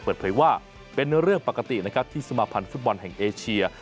เปิดเผยว่าเป็นเรื่องปกตินะครับที่สมาพันธ์ฟุตบอลแห่งเอเชีย